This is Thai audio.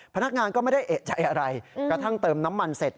พนักงานก็ไม่ได้เอกใจอะไรกระทั่งเติมน้ำมันเสร็จ